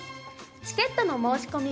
チケットの申し込み